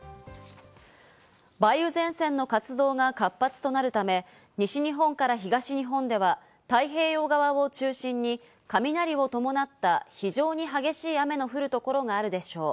梅雨前線の活動が活発となるため、西日本から東日本では太平洋側を中心に雷を伴った非常に激しい雨の降るところがあるでしょう。